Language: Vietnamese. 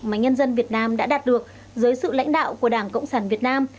mà nhân dân việt nam đã đạt được dưới sự lãnh đạo của đảng cộng sản việt nam